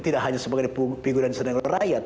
tidak hanya sebagai figur dan senenggara rakyat